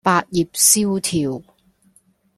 百業蕭條